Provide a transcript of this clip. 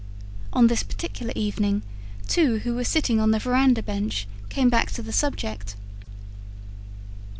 On this particular evening, two who were sitting on the verandah bench came back to the subject.